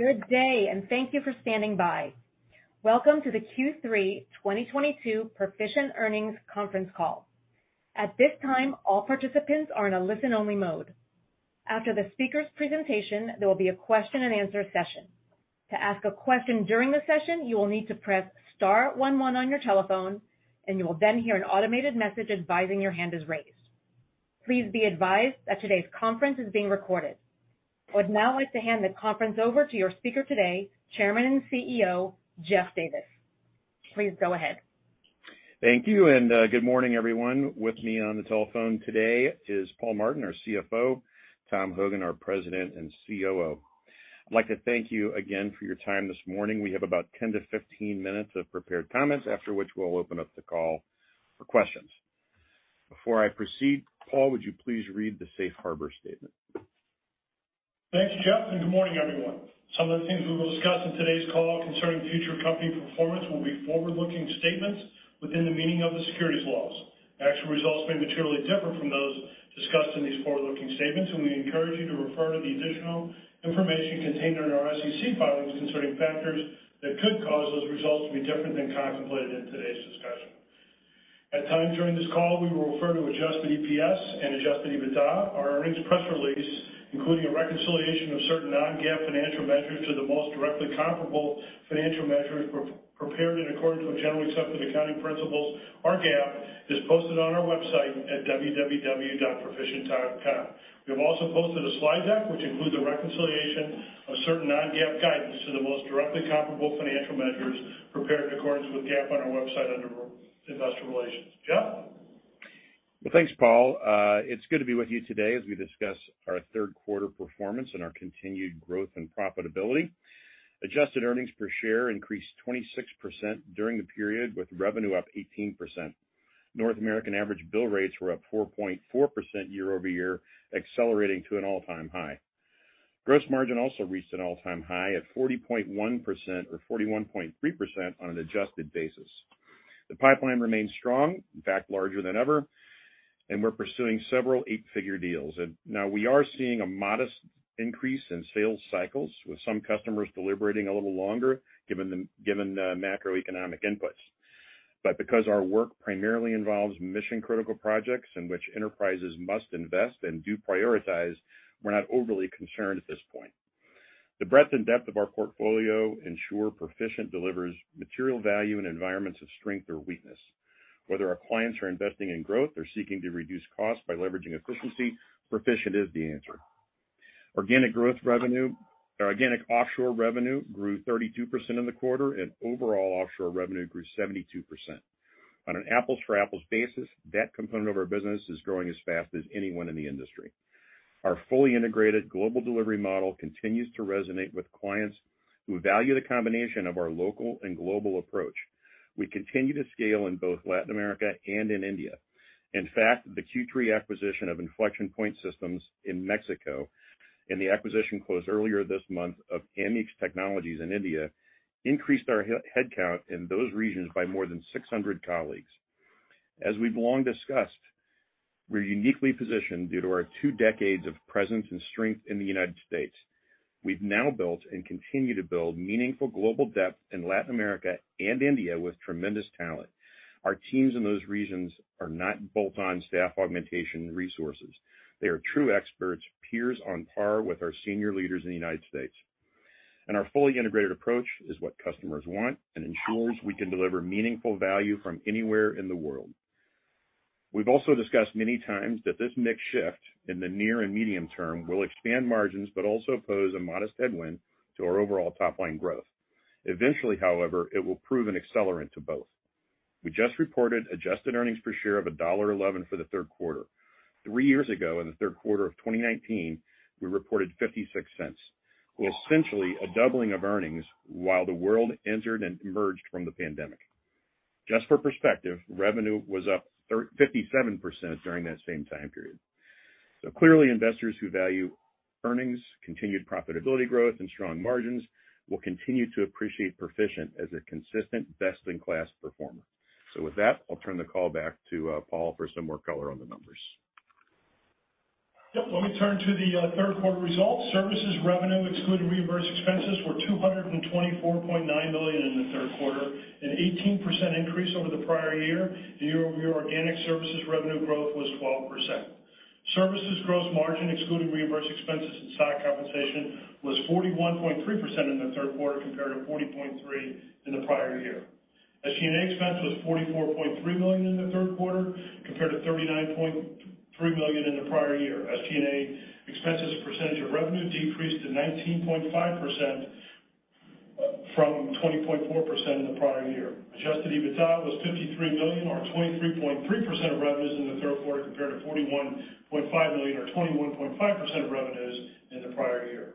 Good day, and thank you for standing by. Welcome to the Q3 2022 Perficient Earnings Conference Call. At this time, all participants are in a listen-only mode. After the speaker's presentation, there will be a question-and-answer session. To ask a question during the session, you will need to press star one one on your telephone, and you will then hear an automated message advising your hand is raised. Please be advised that today's conference is being recorded. I would now like to hand the conference over to your speaker today, Chairman and CEO, Jeff Davis. Please go ahead. Thank you, and good morning, everyone. With me on the telephone today is Paul Martin, our CFO, Tom Hogan, our President and COO. I'd like to thank you again for your time this morning. We have about 10-15 minutes of prepared comments, after which we'll open up the call for questions. Before I proceed, Paul, would you please read the safe harbor statement? Thanks, Jeff, and good morning, everyone. Some of the things we will discuss in today's call concerning future company performance will be forward-looking statements within the meaning of the securities laws. Actual results may materially differ from those discussed in these forward-looking statements, and we encourage you to refer to the additional information contained in our SEC filings concerning factors that could cause those results to be different than contemplated in today's discussion. At times during this call, we will refer to adjusted EPS and adjusted EBITDA. Our earnings press release, including a reconciliation of certain non-GAAP financial measures to the most directly comparable financial measures prepared in accordance with generally accepted accounting principles or GAAP, is posted on our website at www.perficient.com. We have also posted a slide deck which includes a reconciliation of certain non-GAAP guidance to the most directly comparable financial measures prepared in accordance with GAAP on our website under Investor Relations. Jeff? Well, thanks, Paul. It's good to be with you today as we discuss our third quarter performance and our continued growth and profitability. Adjusted earnings per share increased 26% during the period, with revenue up 18%. North American average bill rates were up 4.4% year-over-year, accelerating to an all-time high. Gross margin also reached an all-time high at 40.1% or 41.3% on an adjusted basis. The pipeline remains strong, in fact, larger than ever, and we're pursuing several eight-figure deals. Now we are seeing a modest increase in sales cycles with some customers deliberating a little longer given the macroeconomic inputs. Because our work primarily involves mission-critical projects in which enterprises must invest and do prioritize, we're not overly concerned at this point. The breadth and depth of our portfolio ensure Perficient delivers material value in environments of strength or weakness. Whether our clients are investing in growth or seeking to reduce costs by leveraging efficiency, Perficient is the answer. Organic growth revenue or organic offshore revenue grew 32% in the quarter, and overall offshore revenue grew 72%. On an apples-for-apples basis, that component of our business is growing as fast as anyone in the industry. Our fully integrated global delivery model continues to resonate with clients who value the combination of our local and global approach. We continue to scale in both Latin America and in India. In fact, the Q3 acquisition of Inflection Point Systems in Mexico and the acquisition closed earlier this month of Ameex Technologies in India increased our headcount in those regions by more than 600 colleagues. As we've long discussed, we're uniquely positioned due to our two decades of presence and strength in the United States. We've now built and continue to build meaningful global depth in Latin America and India with tremendous talent. Our teams in those regions are not bolt-on staff augmentation resources. They are true experts, peers on par with our senior leaders in the United States. Our fully integrated approach is what customers want and ensures we can deliver meaningful value from anywhere in the world. We've also discussed many times that this mix shift in the near and medium term will expand margins but also pose a modest headwind to our overall top-line growth. Eventually, however, it will prove an accelerant to both. We just reported adjusted earnings per share of $1.11 for the third quarter. Three years ago, in the third quarter of 2019, we reported 0.56, essentially a doubling of earnings while the world entered and emerged from the pandemic. Just for perspective, revenue was up 57% during that same time period. Clearly, investors who value earnings, continued profitability growth, and strong margins will continue to appreciate Perficient as a consistent best-in-class performer. With that, I'll turn the call back to Paul for some more color on the numbers. Yep. Let me turn to the third quarter results. Services revenue excluding reimbursable expenses were 224.9 million in the third quarter, an 18% increase over the prior year. The year-over-year organic services revenue growth was 12%. Services gross margin excluding reimbursable expenses and stock compensation was 41.3% in the third quarter compared to 40.3% in the prior year. SG&A expense was 44.3 million in the third quarter compared to 39.3 million in the prior year. SG&A expenses percentage of revenue decreased to 19.5% from 20.4% in the prior year. Adjusted EBITDA was 53 million or 23.3% of revenues in the third quarter compared to 41.5 million or 21.5% of revenues in the prior year.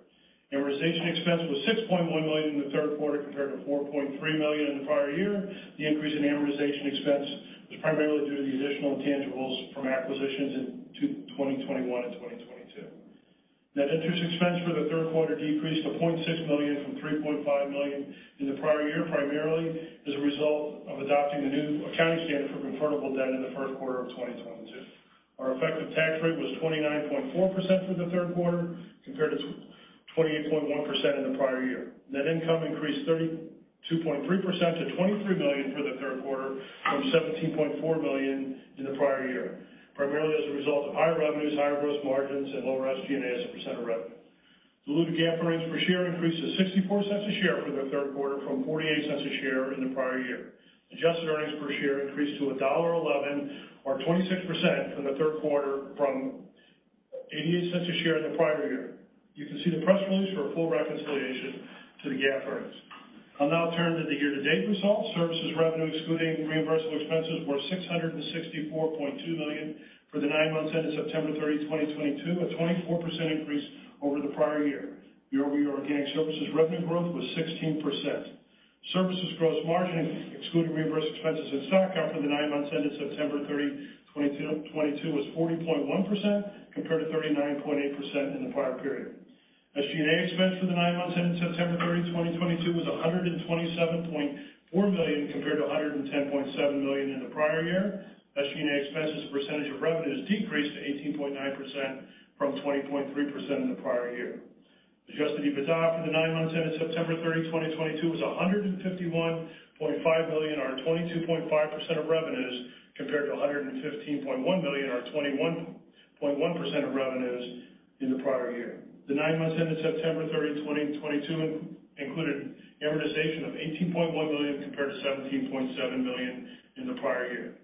Amortization expense was 6.1 million in the third quarter compared to 4.3 million in the prior year. The increase in amortization expense was primarily due to the additional intangibles from acquisitions in 2021 and 2022. Net interest expense for the third quarter decreased to 0.6 million from 3.5 million in the prior year, primarily as a result of adopting the new accounting standard for convertible debt in the first quarter of 2022. Our effective tax rate was 29.4% for the third quarter compared to 28.1% in the prior year. Net income increased 32.3% to 23 million for the third quarter from 17.4 million in the prior year, primarily as a result of higher revenues, higher gross margins, and lower SG&A as a percent of revenue. Diluted GAAP earnings per share increased to 0.64 per share for the third quarter from 0.48 per share in the prior year. Adjusted earnings per share increased to 1.11 or 26% for the third quarter from 0.88 per share in the prior year. You can see the press release for a full reconciliation to the GAAP earnings. I'll now turn to the year-to-date results. Services revenue excluding reimbursable expenses were 664.2 million for the nine months ended September 30, 2022, a 24% increase over the prior year. Year-over-year organic services revenue growth was 16%. Services gross margin, excluding reimbursable expenses and stock compensation for the nine months ended September 30, 2022 was 40.1% compared to 39.8% in the prior period. SG&A expense for the nine months ended September 30, 2022 was 127.4 million compared to 110.7 million in the prior year. SG&A expense as a percentage of revenue has decreased to 18.9% from 20.3% in the prior year. Adjusted EBITDA for the nine months ended September 30, 2022 was 151.5 million, or 22.5% of revenues, compared to 115.1 million or 21.1% of revenues in the prior year. The nine months ended September 30, 2022 included amortization of 18.1 million compared to 17.7 million in the prior year.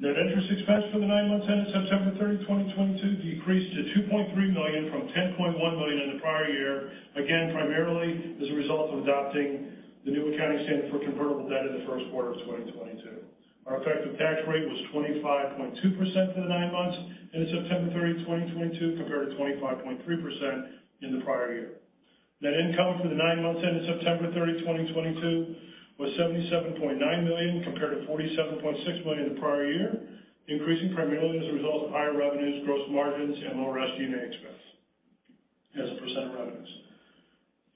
Net interest expense for the nine months ended September 30, 2022 decreased to 2.3 million from 10.1 million in the prior year. Again, primarily as a result of adopting the new accounting standard for convertible debt in the first quarter of 2022. Our effective tax rate was 25.2% for the nine months ended September 30, 2022, compared to 25.3% in the prior year. Net income for the nine months ended September 30, 2022 was 77.9 million compared to 47.6 million in the prior year, increasing primarily as a result of higher revenues, gross margins, and lower SG&A expense as a percent of revenues.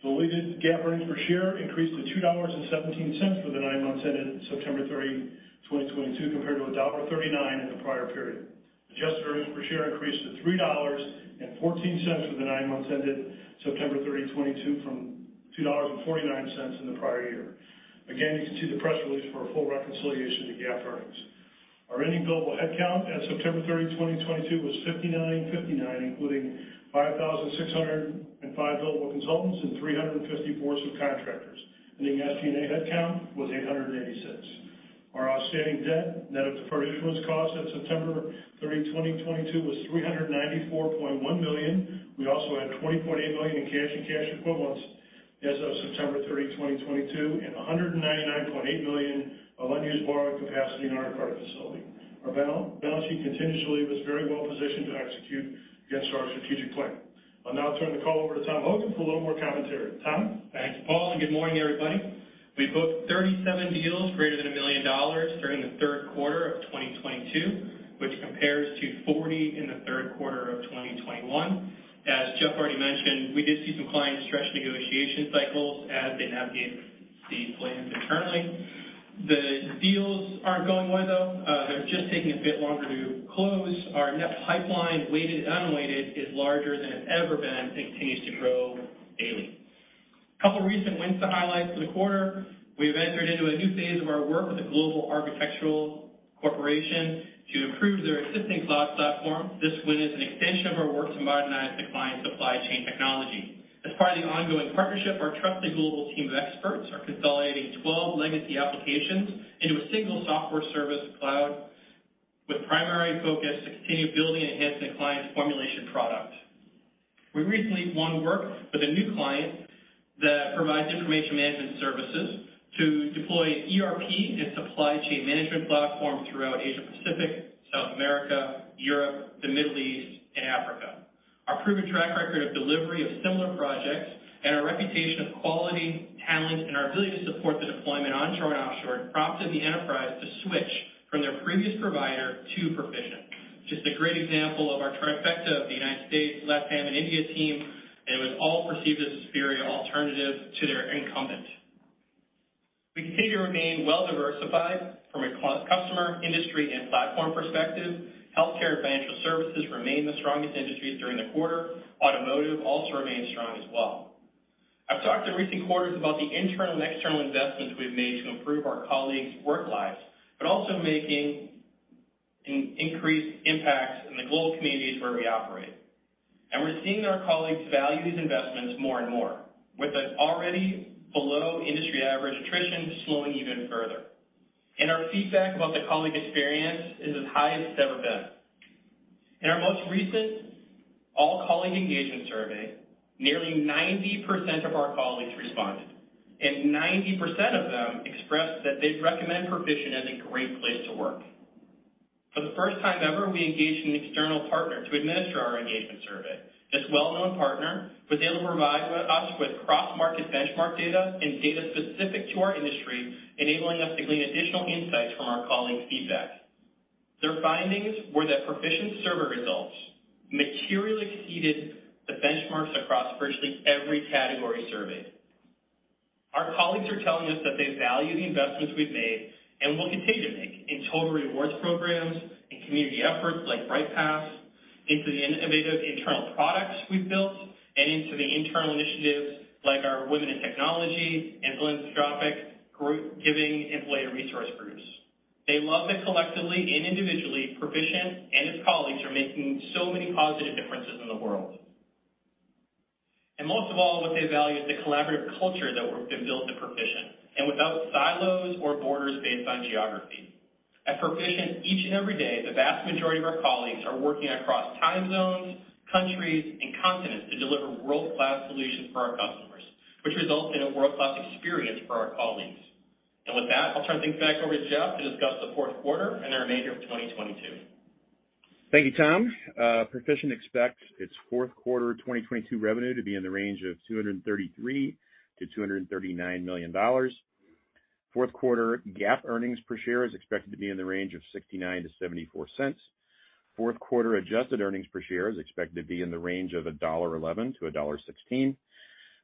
Diluted GAAP earnings per share increased to 2.17 for the nine months ended September 30, 2022, compared to 1.39 in the prior period. Adjusted earnings per share increased to 3.14 for the nine months ended September 30, 2022 from 2.49 in the prior year. Again, you can see the press release for a full reconciliation to GAAP earnings. Our ending billable headcount at September 30, 2022 was 5,959, including 5,605 billable consultants and 354 subcontractors. Ending SG&A headcount was 886. Our outstanding debt, net of deferred issuance costs at September 30, 2022 was 394.1 million. We also had 20.8 million in cash and cash equivalents as of September 30, 2022, and 199.8 million of unused borrowing capacity in our credit facility. Our balance sheet continues to be very well positioned to execute against our strategic plan. I'll now turn the call over to Thomas J. Hogan for a little more commentary. Thomas J. Hogan? Thanks, Paul, and good morning, everybody. We booked 37 deals greater than $1 million during the third quarter of 2022, which compares to 40 in the third quarter of 2021. As Jeff already mentioned, we did see some clients stretch negotiation cycles as they navigate these plans internally. The deals aren't going away though. They're just taking a bit longer to close. Our net pipeline, weighted and unweighted, is larger than it's ever been and continues to grow daily. A couple recent wins to highlight for the quarter. We've entered into a new phase of our work with a global architectural corporation to improve their existing cloud platform. This win is an extension of our work to modernize the client's supply chain technology. As part of the ongoing partnership, our trusted global team of experts are consolidating 12 legacy applications into a single software service cloud with primary focus to continue building and enhancing the client's formulation product. We recently won work with a new client that provides information management services to deploy ERP and supply chain management platform throughout Asia-Pacific, South America, Europe, the Middle East, and Africa. Our proven track record of delivery of similar projects and our reputation of quality, talent, and our ability to support the deployment onshore and offshore prompted the enterprise to switch from their previous provider to Perficient. Just a great example of our trifecta of the United States, Latin, and India team, and it was all perceived as a superior alternative to their incumbent. We continue to remain well-diversified from a customer, industry, and platform perspective. Healthcare and financial services remain the strongest industries during the quarter. Automotive also remains strong as well. I've talked in recent quarters about the internal and external investments we've made to improve our colleagues' work lives, but also making increased impacts in the global communities where we operate. We're seeing that our colleagues value these investments more and more with an already below-industry average attrition slowing even further. Our feedback about the colleague experience is as high as it's ever been. In our most recent all-colleague engagement survey, nearly 90% of our colleagues responded, and 90% of them expressed that they'd recommend Perficient as a great place to work. For the first time ever, we engaged an external partner to administer our engagement survey. This well-known partner was able to provide us with cross-market benchmark data and data specific to our industry, enabling us to glean additional insights from our colleagues' feedback. Their findings were that Perficient materially exceeded the benchmarks across virtually every category surveyed. Our colleagues are telling us that they value the investments we've made and will continue to make in total rewards programs and community efforts like BrightPath, into the innovative internal products we've built, and into the internal initiatives like our Women in Technology and Perficient Giving, employee resource groups. They love that collectively and individually, Perficient and its colleagues are making so many positive differences in the world. Most of all, what they value is the collaborative culture that we've built at Perficient without silos or borders based on geography. At Perficient, each and every day, the vast majority of our colleagues are working across time zones, countries, and continents to deliver world-class solutions for our customers, which results in a world-class experience for our colleagues. With that, I'll turn things back over to Jeff to discuss the fourth quarter and our remainder of 2022. Thank you, Tom. Perficient expects its fourth quarter 2022 revenue to be in the range of $233 million-$239 million. Fourth quarter GAAP earnings per share is expected to be in the range of 0.69-0.74. Fourth quarter adjusted earnings per share is expected to be in the range of $1.11-$1.16.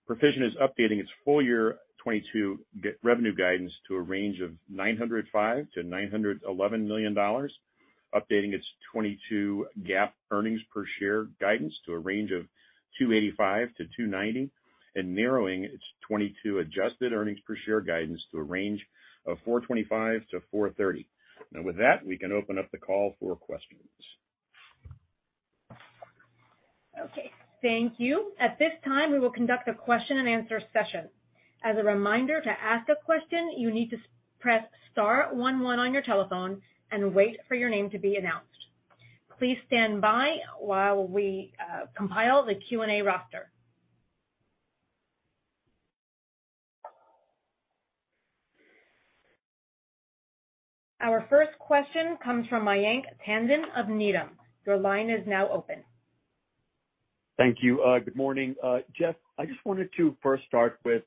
Perficient is updating its full year 2022 revenue guidance to a range of $905 million-$911 million, updating its 2022 GAAP earnings per share guidance to a range of 2.85-2.90, and narrowing its 2022 adjusted earnings per share guidance to a range of 4.25-4.30. Now with that, we can open up the call for questions. Okay, thank you. At this time, we will conduct a question and answer session. As a reminder, to ask a question, you need to press star one one on your telephone and wait for your name to be announced. Please stand by while we compile the Q&A roster. Our first question comes from Mayank Tandon of Needham. Your line is now open. Thank you. Good morning. Jeff, I just wanted to first start with,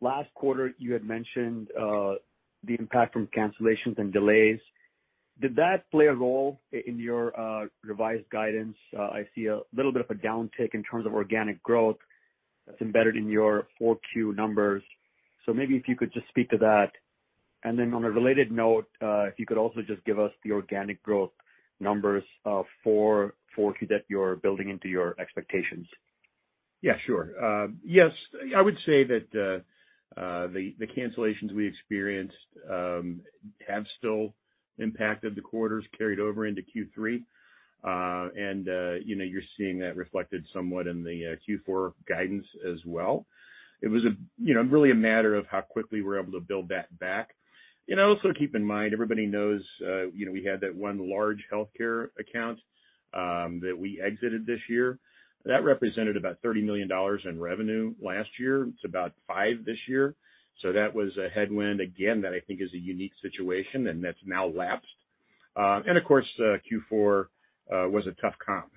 last quarter you had mentioned, the impact from cancellations and delays. Did that play a role in your revised guidance? I see a little bit of a downtick in terms of organic growth that's embedded in your four Q numbers. Maybe if you could just speak to that. Then on a related note, if you could also just give us the organic growth numbers, for four Q that you're building into your expectations. Yeah, sure. Yes, I would say that the cancellations we experienced have still impacted the quarters carried over into Q3. You know, you're seeing that reflected somewhat in the Q4 guidance as well. It was, you know, really a matter of how quickly we're able to build that back. You know, also keep in mind, everybody knows, you know, we had that one large healthcare account that we exited this year. That represented about $30 million in revenue last year. It's about $5 million this year. So that was a headwind again, that I think is a unique situation, and that's now lapsed. Of course, Q4 was a tough comp.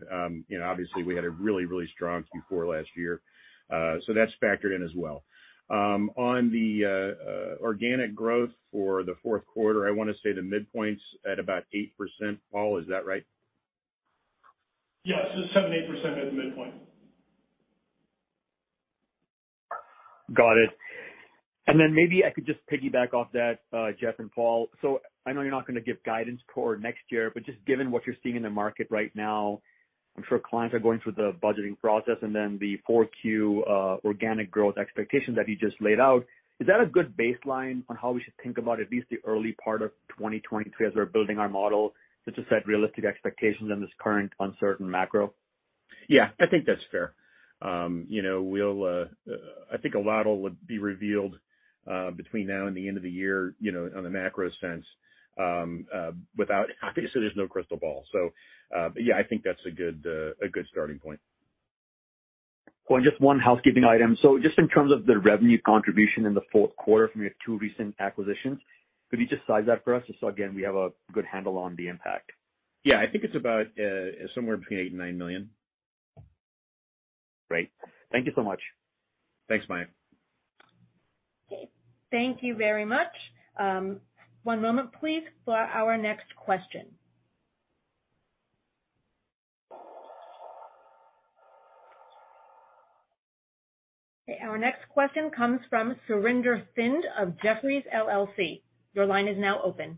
You know, obviously we had a really strong Q4 last year. That's factored in as well. On the organic growth for the fourth quarter, I want to say the midpoint's at about 8%. Paul, is that right? Yes, 7%-8% is the midpoint. Got it. Maybe I could just piggyback off that, Jeff and Paul. I know you're not going to give guidance for next year, but just given what you're seeing in the market right now, I'm sure clients are going through the budgeting process and then the Q4 organic growth expectation that you just laid out. Is that a good baseline on how we should think about at least the early part of 2023 as we're building our model, just to set realistic expectations on this current uncertain macro? Yeah, I think that's fair. You know, we'll, I think a lot will be revealed between now and the end of the year, you know, on the macro sense, obviously, there's no crystal ball. Yeah, I think that's a good starting point. Paul, just one housekeeping item. Just in terms of the revenue contribution in the fourth quarter from your two recent acquisitions, could you just size that for us just so again, we have a good handle on the impact? Yeah, I think it's about somewhere between 8 million and 9 million. Great. Thank you so much. Thanks, Mayank. Thank you very much. One moment please for our next question. Okay, our next question comes from Surinder Thind of Jefferies LLC. Your line is now open.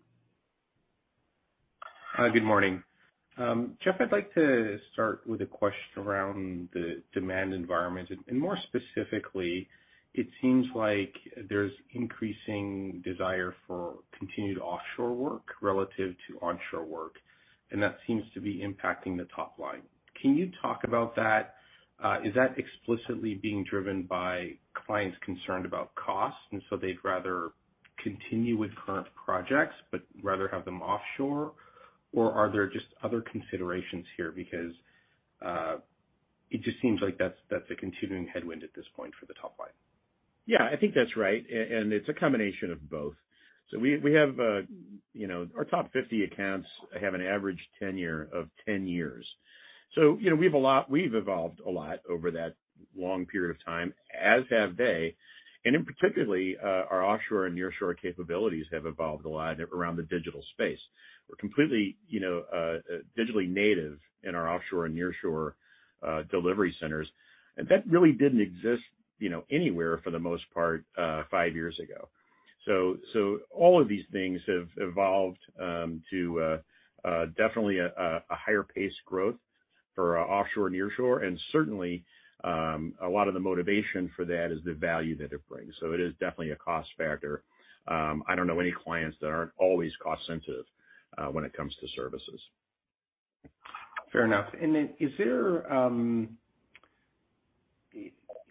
Hi, good morning. Jeff, I'd like to start with a question around the demand environment. More specifically, it seems like there's increasing desire for continued offshore work relative to onshore work, and that seems to be impacting the top line. Can you talk about that? Is that explicitly being driven by clients concerned about cost, and so they'd rather continue with current projects but rather have them offshore? Or are there just other considerations here? Because it just seems like that's a continuing headwind at this point for the top line. Yeah, I think that's right. It's a combination of both. We have our top 50 accounts have an average tenure of 10 years. We've evolved a lot over that long period of time, as have they. In particular, our offshore and nearshore capabilities have evolved a lot around the digital space. We're completely digitally native in our offshore and nearshore delivery centers. That really didn't exist anywhere for the most part five years ago. All of these things have evolved to definitely a higher pace growth for our offshore nearshore. Certainly, a lot of the motivation for that is the value that it brings. It is definitely a cost factor. I don't know any clients that aren't always cost sensitive, when it comes to services. Fair enough. Then is there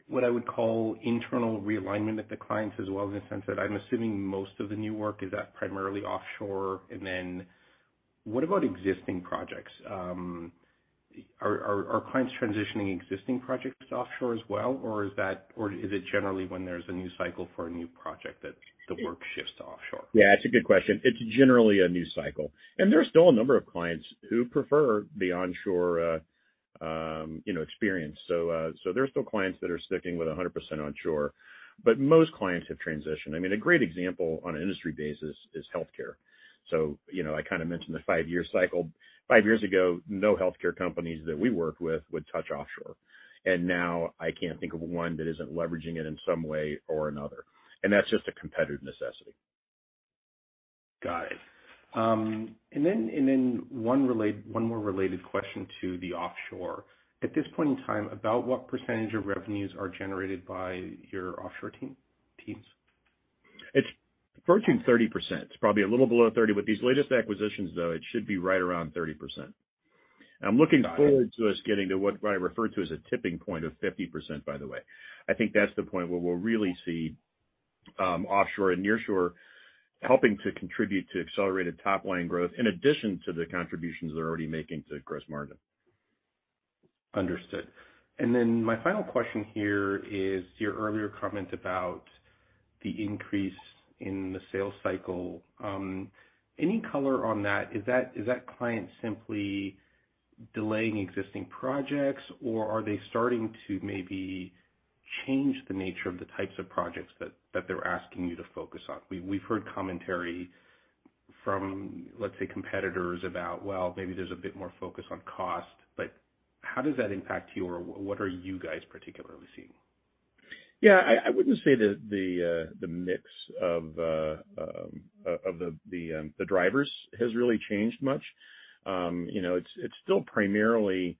what I would call internal realignment at the clients as well, in the sense that I'm assuming most of the new work is that primarily offshore? What about existing projects? Are clients transitioning existing projects offshore as well? Or is it generally when there's a new cycle for a new project that the work shifts to offshore? Yeah, it's a good question. It's generally a new cycle, and there are still a number of clients who prefer the onshore, you know, experience. There are still clients that are sticking with 100% onshore, but most clients have transitioned. I mean, a great example on an industry basis is healthcare. You know, I kind of mentioned the five-year cycle. Five years ago, no healthcare companies that we worked with would touch offshore, and now I can't think of one that isn't leveraging it in some way or another. That's just a competitive necessity. Got it. One more related question to the offshore. At this point in time, about what percentage of revenues are generated by your offshore teams? It's approaching 30%. It's probably a little below 30%. With these latest acquisitions, though, it should be right around 30%. Got it. I'm looking forward to us getting to what I refer to as a tipping point of 50%, by the way. I think that's the point where we'll really see offshore and nearshore helping to contribute to accelerated top-line growth, in addition to the contributions they're already making to gross margin. Understood. My final question here is your earlier comment about the increase in the sales cycle. Any color on that? Is that clients simply delaying existing projects, or are they starting to maybe change the nature of the types of projects that they're asking you to focus on? We've heard commentary from, let's say, competitors about, well, maybe there's a bit more focus on cost, but how does that impact you, or what are you guys particularly seeing? Yeah, I wouldn't say that the mix of the drivers has really changed much. You know, it's still primarily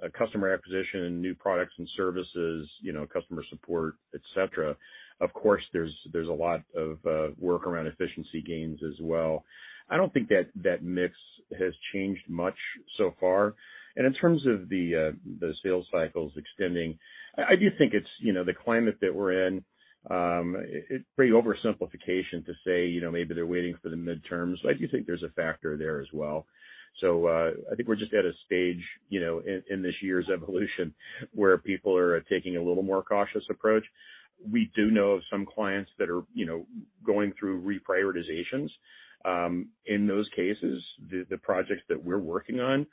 a customer acquisition, new products and services, you know, customer support, et cetera. Of course, there's a lot of work around efficiency gains as well. I don't think that mix has changed much so far. In terms of the sales cycles extending, I do think it's the climate that we're in. It's a pretty oversimplification to say, you know, maybe they're waiting for the midterms. I do think there's a factor there as well. I think we're just at a stage, you know, in this year's evolution where people are taking a little more cautious approach. We do know of some clients that are, you know, going through reprioritizations. In those cases, the projects that we're working on,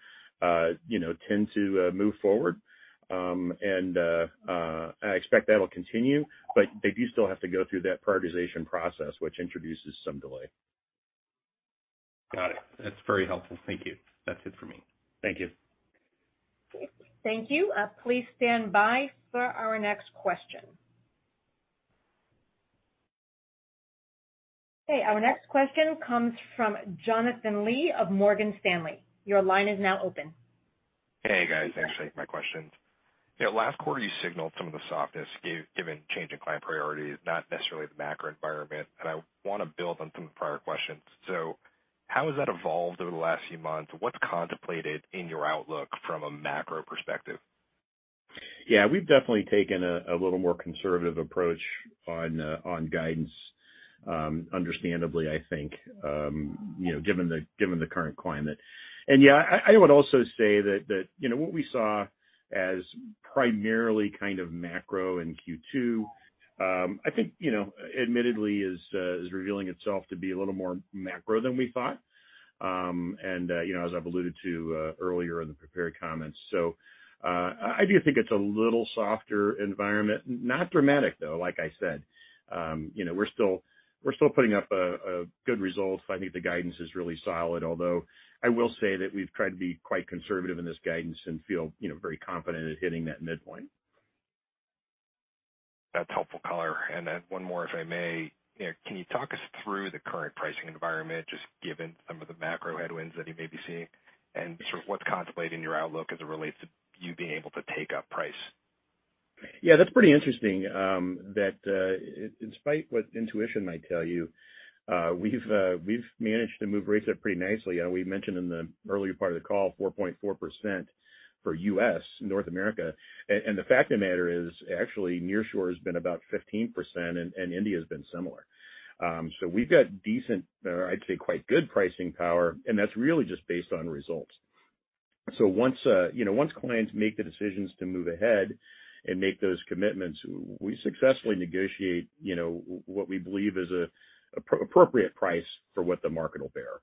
you know, tend to move forward. I expect that'll continue. They do still have to go through that prioritization process, which introduces some delay. Got it. That's very helpful. Thank you. That's it for me. Thank you. Thank you. Please stand by for our next question. Okay, our next question comes from Jonathan Lee of Morgan Stanley. Your line is now open. Hey, guys. Thanks. My questions. You know, last quarter you signaled some of the softness given change in client priorities, not necessarily the macro environment. I want to build on some of the prior questions. How has that evolved over the last few months? What's contemplated in your outlook from a macro perspective? Yeah, we've definitely taken a little more conservative approach on guidance, understandably, I think, you know, given the current climate. Yeah, I would also say that, you know, what we saw as primarily kind of macro in Q2, I think, you know, admittedly is revealing itself to be a little more macro than we thought, and, you know, as I've alluded to earlier in the prepared comments. I do think it's a little softer environment. Not dramatic, though, like I said. You know, we're still putting up a good result. I think the guidance is really solid, although I will say that we've tried to be quite conservative in this guidance and feel, you know, very confident at hitting that midpoint. That's helpful color. Then one more, if I may. You know, can you talk us through the current pricing environment, just given some of the macro headwinds that you may be seeing? And sort of what's contemplating your outlook as it relates to you being able to take up price? Yeah, that's pretty interesting, that in spite of what intuition might tell you, we've managed to move rates up pretty nicely. You know, we mentioned in the earlier part of the call 4.4% for U.S., North America. And the fact of the matter is actually nearshore has been about 15% and India has been similar. We've got decent or I'd say quite good pricing power, and that's really just based on results. Once clients make the decisions to move ahead and make those commitments, we successfully negotiate what we believe is an appropriate price for what the market will bear.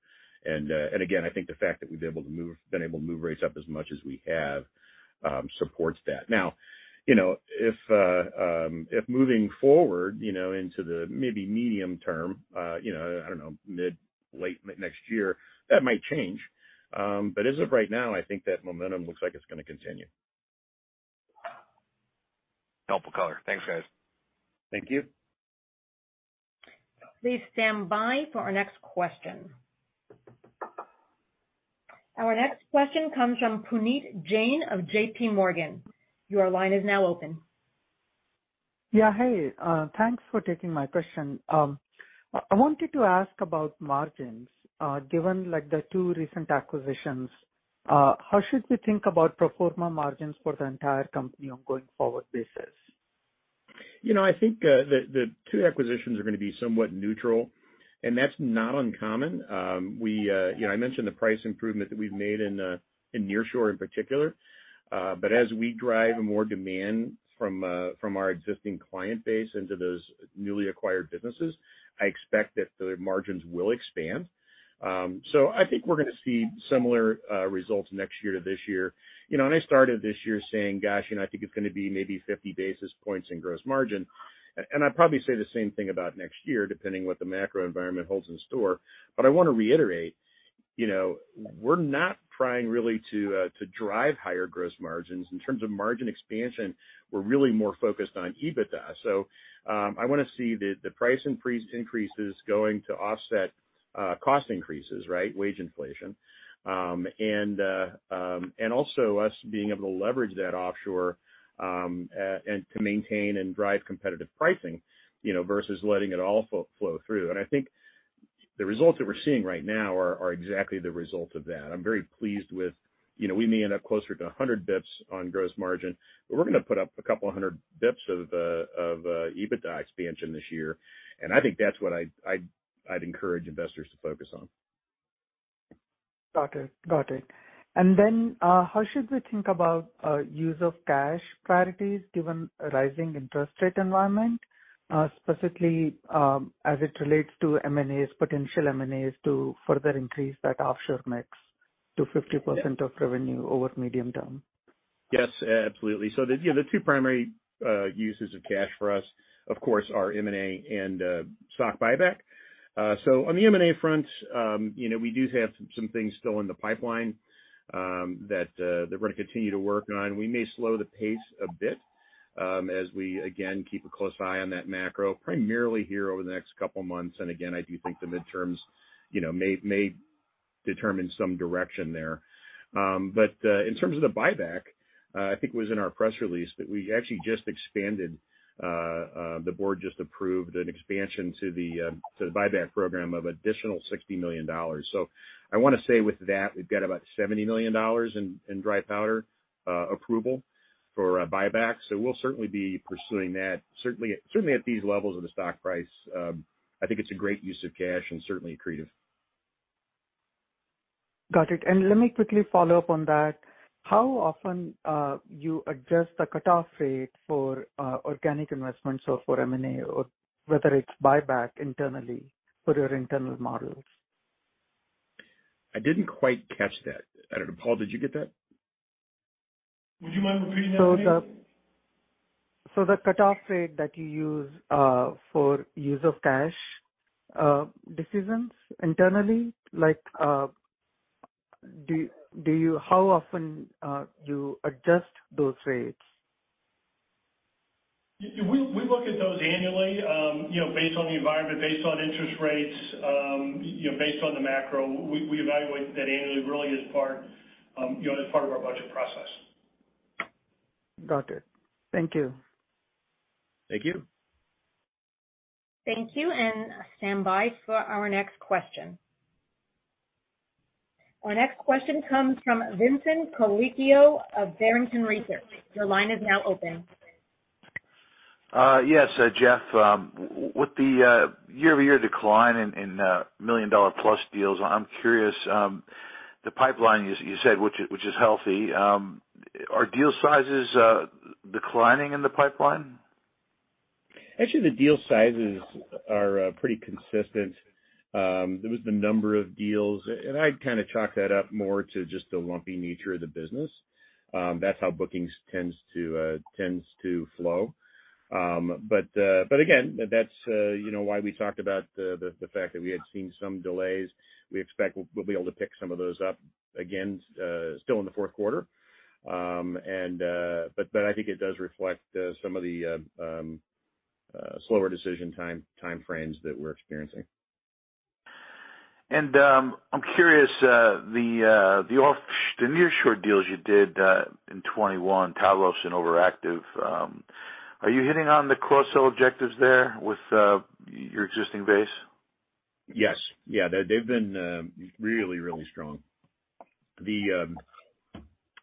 Again, I think the fact that we've been able to move rates up as much as we have supports that. Now, you know, if moving forward, you know, into the maybe medium term, you know, I don't know, mid, late next year, that might change. As of right now, I think that momentum looks like it's going to continue. Helpful color. Thanks, guys. Thank you. Please stand by for our next question. Our next question comes from Puneet Jain of JP Morgan. Your line is now open. Yeah. Hey, thanks for taking my question. I wanted to ask about margins. Given, like, the two recent acquisitions, how should we think about pro forma margins for the entire company on going forward basis? You know, I think the two acquisitions are going to be somewhat neutral, and that's not uncommon. We, you know, I mentioned the price improvement that we've made in nearshore in particular. As we drive more demand from our existing client base into those newly acquired businesses, I expect that the margins will expand. I think we're going to see similar results next year to this year. You know, I started this year saying, gosh, you know, I think it's going to be maybe 50 basis points in gross margin. I'd probably say the same thing about next year, depending what the macro environment holds in store. I want to reiterate, you know, we're not trying really to drive higher gross margins. In terms of margin expansion, we're really more focused on EBITDA. I want to see the price increases going to offset cost increases, right? Wage inflation. Also us being able to leverage that offshore and to maintain and drive competitive pricing, you know, versus letting it all flow through. I think the results that we're seeing right now are exactly the result of that. I'm very pleased with, you know, we may end up closer to 100 basis points on gross margin, but we're going to put up a couple of 100 basis points of EBITDA expansion this year. I think that's what I'd encourage investors to focus on. Got it. How should we think about use of cash priorities given a rising interest rate environment, specifically, as it relates to M and As, potential M and As to further increase that offshore mix to 50% of revenue over medium term? Yes, absolutely. The two primary, you know, uses of cash for us, of course, are M and A and stock buyback. On the M and A front, you know, we do have some things still in the pipeline that we're going to continue to work on. We may slow the pace a bit as we again keep a close eye on that macro, primarily here over the next couple months. Again, I do think the midterms, you know, may determine some direction there. In terms of the buyback, I think it was in our press release that the board just approved an expansion to the buyback program of additional $60 million. I want to say with that, we've got about $70 million in dry powder approval for a buyback. We'll certainly be pursuing that. Certainly at these levels of the stock price, I think it's a great use of cash and certainly accretive. Got it. Let me quickly follow up on that. How often you adjust the cutoff rate for organic investments or for M and A or whether it's buyback internally for your internal models? I didn't quite catch that. I don't know, Paul, did you get that? Would you mind repeating that, Puneet? The cutoff rate that you use for use of cash decisions internally, like, how often you adjust those rates? We look at those annually, you know, based on the environment, based on interest rates, you know, based on the macro. We evaluate that annually really as part of our budget process. Got it. Thank you. Thank you. Thank you, and stand by for our next question. Our next question comes from Vincent Colicchio of Barrington Research. Your line is now open. Yes, Jeff. With the year-over-year decline in million-dollar-plus deals, I'm curious, the pipeline, as you said, which is healthy, are deal sizes declining in the pipeline? Actually, the deal sizes are pretty consistent. It was the number of deals, and I'd kinda chalk that up more to just the lumpy nature of the business. That's how bookings tends to flow. Again, that's you know why we talked about the fact that we had seen some delays. We expect we'll be able to pick some of those up again still in the fourth quarter. I think it does reflect some of the slower decision timeframes that we're experiencing. I'm curious, the nearshore deals you did in 2021, Talos and Overactive, are you hitting on the cross-sell objectives there with your existing base? Yes. Yeah. They've been really strong. You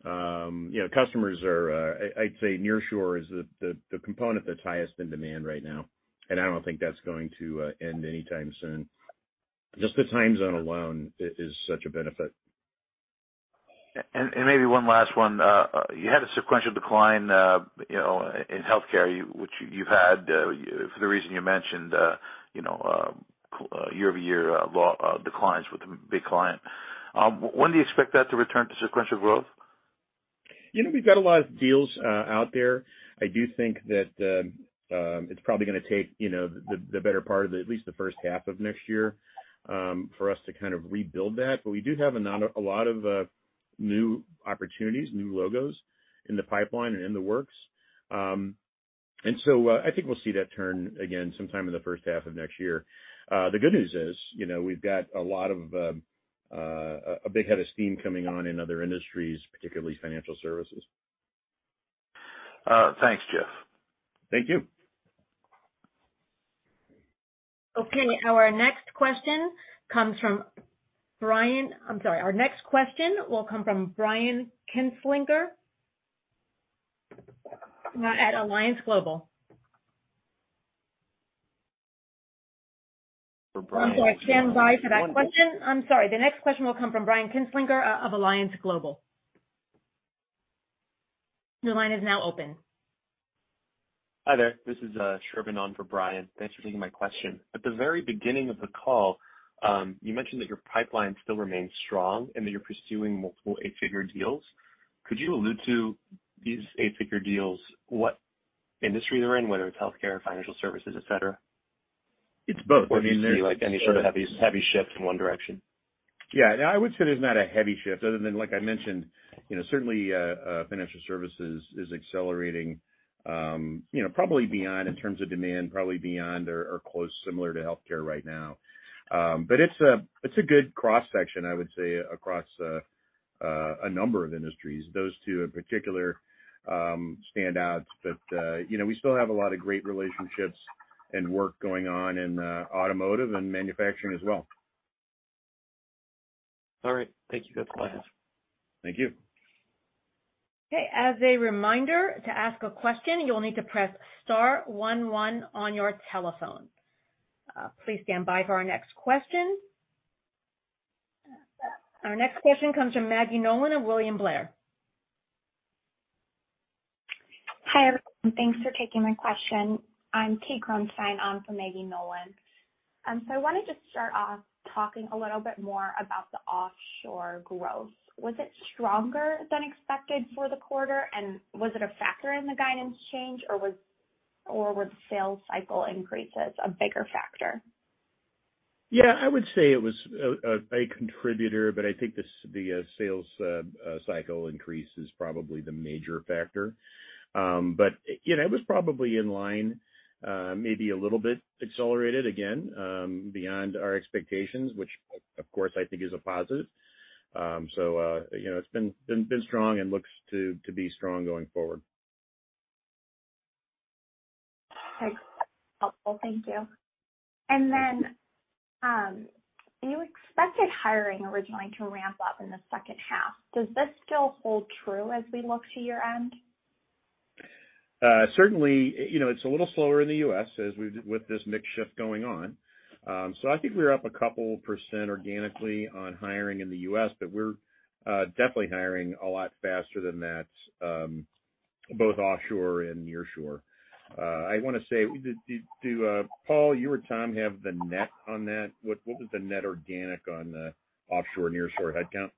know, customers are, I'd say nearshore is the component that's highest in demand right now, and I don't think that's going to end anytime soon. Just the time zone alone is such a benefit. Maybe one last one. You had a sequential decline, you know, in healthcare, which you've had for the reason you mentioned, you know, year-over-year declines with a big client. When do you expect that to return to sequential growth? You know, we've got a lot of deals out there. I do think that it's probably going to take, you know, the better part of at least the first half of next year for us to kind of rebuild that. We do have a lot of new opportunities, new logos in the pipeline and in the works. I think we'll see that turn again sometime in the first half of next year. The good news is, you know, we've got a lot of a big head of steam coming on in other industries, particularly financial services. Thanks, Jeff. Thank you. Our next question will come from Brian Kinstlinger at Alliance Global Partners. For Brian Kinstlinger. I'm sorry. Stand by for that question. I'm sorry. The next question will come from Brian Kinstlinger of Alliance Global Partners. Your line is now open. Hi there. This is Sherman on for Brian. Thanks for taking my question. At the very beginning of the call, you mentioned that your pipeline still remains strong and that you're pursuing multiple eight-figure deals. Could you allude to these eight-figure deals, what industry they're in, whether it's healthcare, financial services, et cetera? It's both. I mean, Do you see, like, any sort of heavy shift in one direction? Yeah. I would say there's not a heavy shift other than, like I mentioned, you know, certainly, financial services is accelerating, you know, probably beyond in terms of demand, probably beyond or close similar to healthcare right now. But it's a good cross-section, I would say, across a number of industries. Those two in particular stand out. But you know, we still have a lot of great relationships and work going on in automotive and manufacturing as well. All right. Thank you. That's all I have. Thank you. Okay. As a reminder, to ask a question, you'll need to press star one one on your telephone. Please stand by for our next question. Our next question comes from Maggie Nolan of William Blair. Hi, everyone, and thanks for taking my question. I'm Kate [Leschyshyn] on for Maggie Nolan. I wanted to start off talking a little bit more about the offshore growth. Was it stronger than expected for the quarter? Was it a factor in the guidance change, or were the sales cycle increases a bigger factor? Yeah, I would say it was a contributor, but I think the sales cycle increase is probably the major factor. You know, it was probably in line, maybe a little bit accelerated again beyond our expectations, which, of course, I think is a positive. You know, it's been strong and looks to be strong going forward. Okay. Helpful. Thank you. Thank you. You expected hiring originally to ramp up in the second half. Does this still hold true as we look to year-end? Certainly, you know, it's a little slower in the U.S. with this mix shift going on. So I think we're up a couple % organically on hiring in the U.S., but we're definitely hiring a lot faster than that, both offshore and nearshore. I want to say, do Paul, you or Tom have the net on that? What was the net organic on the offshore, nearshore headcount?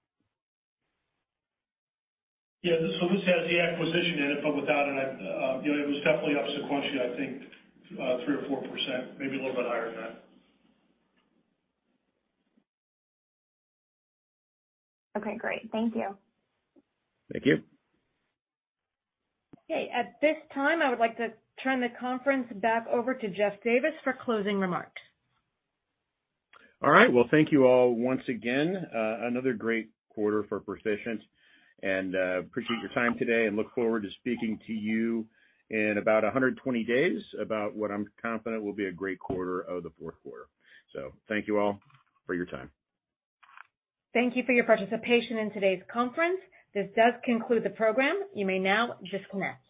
Yeah. This has the acquisition in it, but without it, I, you know, it was definitely up sequentially, I think, 3% or 4%, maybe a little bit higher than that. Okay, great. Thank you. Thank you. Okay, at this time, I would like to turn the conference back over to Jeff Davis for closing remarks. All right. Well, thank you all once again. Another great quarter for Perficient. Appreciate your time today and look forward to speaking to you in about 120 days about what I'm confident will be a great quarter of the fourth quarter. Thank you all for your time. Thank you for your participation in today's conference. This does conclude the program. You may now disconnect.